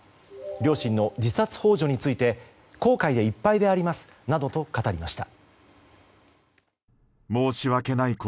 両親の自殺幇助について後悔でいっぱいでありますなどと語りました。